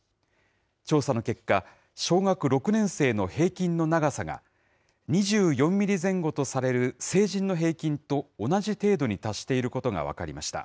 調査の結果、小学６年生の平均の長さが２４ミリ前後とされる成人の平均と同じ程度に達していることが分かりました。